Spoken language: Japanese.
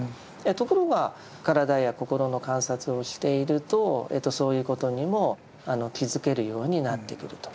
ところが体や心の観察をしているとそういうことにも気づけるようになってくると。